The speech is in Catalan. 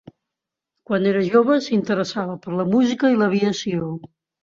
Quan era jove s'interessava per la música i l'aviació.